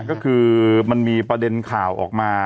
ก็คือมันมีประเด็นข่าวออกมา